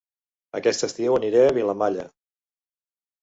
Aquest estiu aniré a Vilamalla